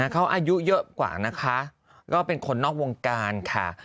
เขาอายุเยอะกว่านะคะก็เป็นคนนอกวงการค่ะ